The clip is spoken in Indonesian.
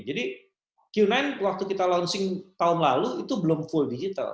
jadi q sembilan waktu kita launching tahun lalu itu belum full digital